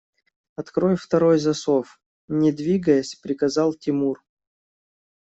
– Открой второй засов! – не двигаясь, приказал Тимур.